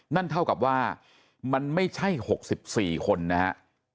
นั่นเท่ากับว่ามันไม่ใช่๖๔คนนะฮะ